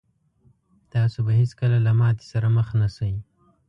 تاسو به هېڅکله له ماتې سره مخ نه شئ.